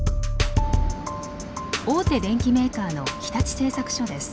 大手電機メーカーの日立製作所です。